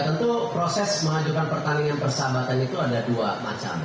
tentu proses mengajukan pertandingan persahabatan itu ada dua macam